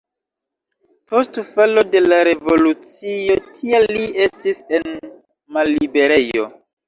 Post falo de la revolucio tial li estis en malliberejo.